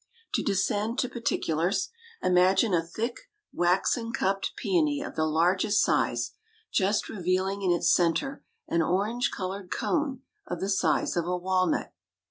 To descend to particulars, imagine a thick, waxen cupped peony of the largest size, just revealing in its centre an orange colored cone of the size of a walnut.